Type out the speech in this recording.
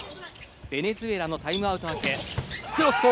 ベネズエラのタイムアウト明け。